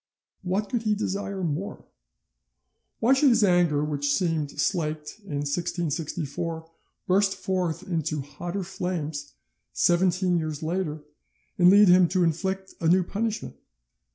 What could he desire more? Why should his anger, which seemed slaked in 1664, burst forth into hotter flames seventeen years later, and lead him to inflict a new punishment?